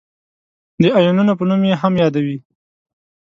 د آیونونو په نوم یې هم یادوي.